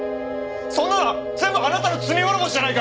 そんなの全部あなたの罪滅ぼしじゃないか！